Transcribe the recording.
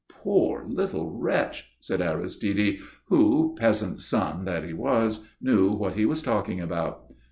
"Poor little wretch!" said Aristide, who, peasant's son that he was, knew what he was talking about.